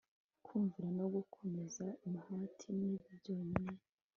Kumvira no gukomeza umuhati ni byo byonyine